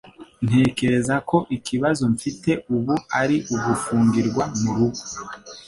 Ntekereza ko ikibazo mfite ubu ari ugufungirwa murugo.